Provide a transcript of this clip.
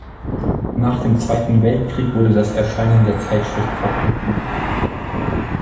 Nach dem Zweiten Weltkrieg wurde das Erscheinen der Zeitschrift verboten.